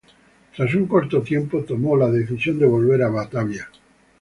Tras un corto tiempo, tomó la decisión de volver a Batavia.